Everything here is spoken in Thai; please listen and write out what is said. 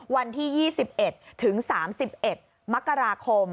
วันที่๒๑ถึง๓๑มกราคม